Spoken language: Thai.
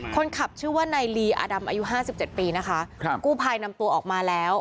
คนขับชื่อว่านายลีอดำอายุ๕๗ปีนะคะกูภายนำตัวออกมาแล้ว